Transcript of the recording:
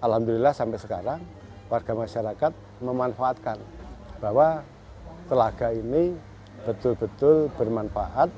alhamdulillah sampai sekarang warga masyarakat memanfaatkan bahwa telaga ini betul betul bermanfaat